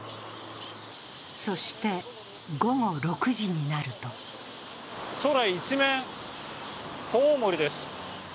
そして、午後６時になると空一面、コウモリです。